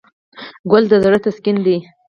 ګل د زړه تسکین دی.